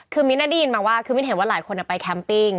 คือมิ้นได้ยินมาว่าคือมิ้นเห็นว่าหลายคนไปแคมปิ้ง